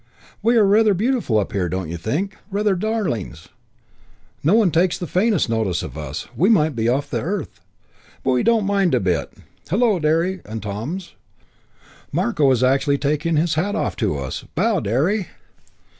"We are rather beautiful up here, don't you think? Rather darlings? No one takes the faintest notice of us; we might be off the earth. But we don't mind a bit. Hullo, Derry and Toms, Marko is actually taking off his hat to us. Bow, Derry."